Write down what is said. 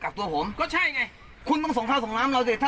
ตัวผมก็ใช่ไงคุณต้องส่งข้าวส่งน้ำเราสิถ้า